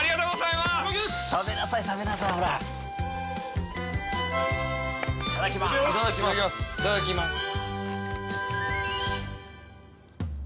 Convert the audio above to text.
いただきます。